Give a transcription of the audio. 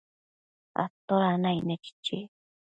¿toda naicne?chichi